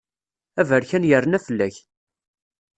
Aberkan yerna fell-ak.